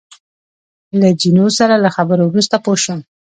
له جینو سره له خبرو وروسته پوه شوم.